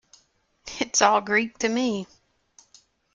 It's all Greek to me.